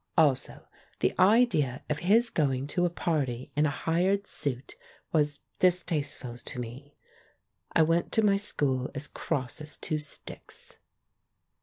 Also the idea of his going to a party in a hired suit was distasteful to me. I went to my school as cross as two sticks.